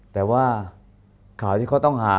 แต่ว่าข่าวที่เขาต้องหา